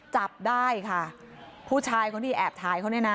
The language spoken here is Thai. จับได้ค่ะผู้ชายคนที่แอบถ่ายเขาเนี่ยนะ